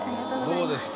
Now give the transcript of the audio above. どうですか？